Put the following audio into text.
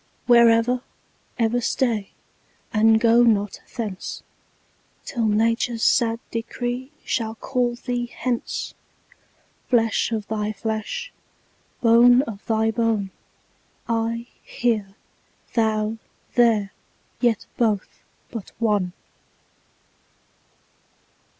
Where ever, ever stay, and go not thence, Till nature's sad decree shall call thee hence; Flesh of thy flesh, bone of thy bone, I here, thou there, yet both but one.